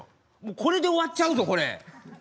これで終わっちゃうぞこれ。